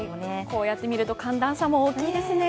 こうやって見ると寒暖差も大きいですね。